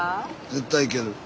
絶対いける。